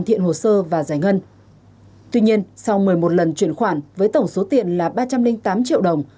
thiện hồ sơ và giải ngân tuy nhiên sau một mươi một lần chuyển khoản với tổng số tiền là ba trăm linh tám triệu đồng